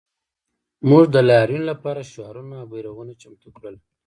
موږ د لاریون لپاره شعارونه او بیرغونه چمتو کړل